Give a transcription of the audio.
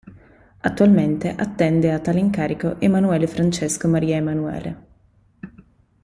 Attualmente attende a tale incarico Emmanuele Francesco Maria Emanuele.